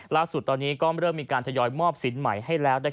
ล่าสุดตอนนี้ก็เริ่มมีการทยอยมอบสินใหม่ให้แล้ว